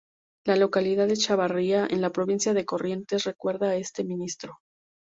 La localidad de Chavarría, en la provincia de Corrientes, recuerda a este ministro.